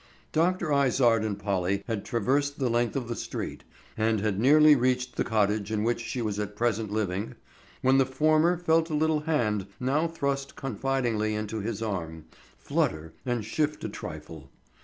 Dr. Izard and Polly had traversed the length of the street, and had nearly reached the cottage in which she was at present living, when the former felt the little hand now thrust confidingly into his arm, flutter and shift a trifle.